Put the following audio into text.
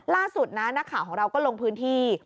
ล่าสุดนะนักข่าวของเราก็ลงพื้นที่